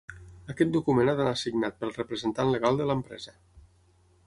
Aquest document ha d'anar signat pel representant legal de l'empresa.